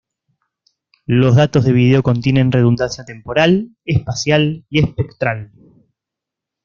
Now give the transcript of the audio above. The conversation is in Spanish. Los datos de video contienen redundancia temporal, espacial y espectral.